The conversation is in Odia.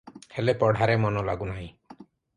ହେଲେ ପଢ଼ାରେ ମନ ଲାଗୁ ନାହିଁ ।